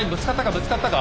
ぶつかったか？